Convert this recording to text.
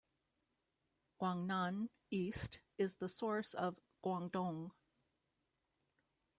"Guangnan East" is the source of "Guangdong".